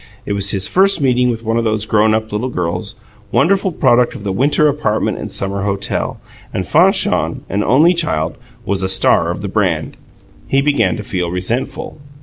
It was his first meeting with one of those grown up little girls, wonderful product of the winter apartment and summer hotel; and Fanchon, an only child, was a star of the brand. He began to feel resentful.